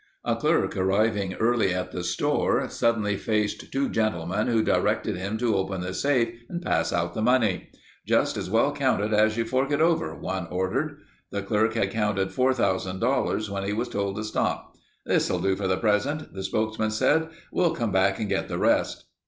A clerk arriving early at the store, suddenly faced two gentlemen who directed him to open the safe and pass out the money. "Just as well count it as you fork it over," one ordered. The clerk had counted $4000 when he was told to stop. "This'll do for the present," the spokesman said. "We'll come back and get the rest."